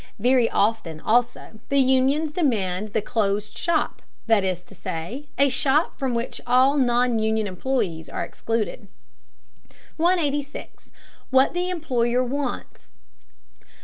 Very often, also, the unions demand the closed shop, that is to say, a shop from which all non union employees are excluded. 186. WHAT THE EMPLOYER WANTS.